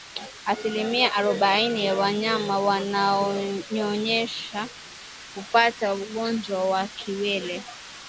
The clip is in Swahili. Asilimia arobaini ya wanyama wanaonyonyesha hupata ugonjwa wa kiwele